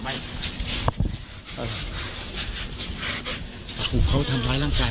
เราได้ทำไปเพราะอะไรครับ